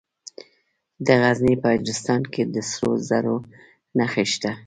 د غزني په اجرستان کې د سرو زرو نښې شته.